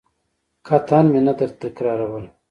قطعاً مې نه درتکراروله.